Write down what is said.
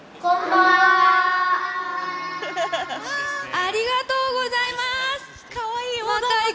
ありがとうございます。